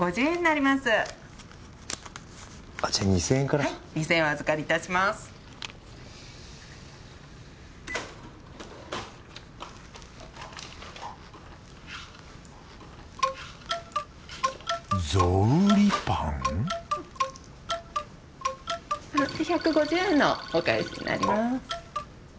１５０円のお返しになります。